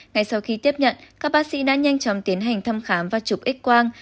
ngay sau khi tiếp nhận các bác sĩ đã nhanh chóng tiến hành thăm khám và chụp x quang